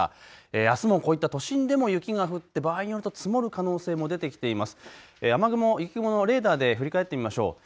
あすもこういった都心でも雪が降って場合によっては積もる可能性も出てきています。